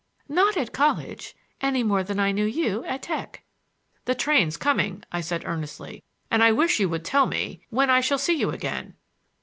"Not at college, any more than I knew you at Tech." "The train's coming," I said earnestly, "and I wish you would tell me—when I shall see you again!"